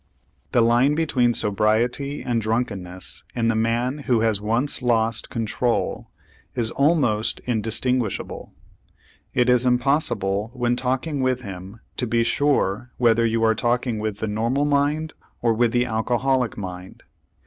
The line between sobriety and drunkenness in the man who has once lost control is almost indistinguishable; it is impossible when talking with him to be sure whether you are talking with the normal mind or with the alcoholic mind.